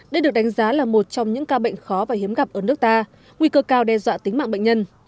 đây được đánh giá là một trong những ca bệnh khó và hiếm gặp ở nước ta nguy cơ cao đe dọa tính mạng bệnh nhân